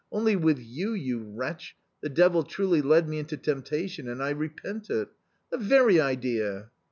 Only with you, you wretch, the devil truly led me into temptation, and I repent it. The very idea